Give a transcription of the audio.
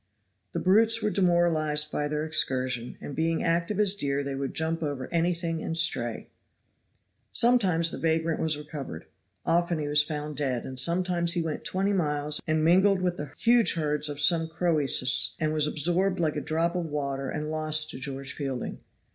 The brutes were demoralized by their excursion, and being active as deer they would jump over anything and stray. Sometimes the vagrant was recovered often he was found dead; and sometimes he went twenty miles and mingled with the huge herds of some Croesus, and was absorbed like a drop of water and lost to George Fielding.